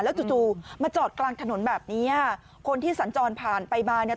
จู่จู่มาจอดกลางถนนแบบนี้อ่ะคนที่สัญจรผ่านไปมาเนี่ย